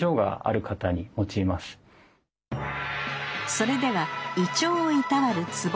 それでは胃腸をいたわるツボ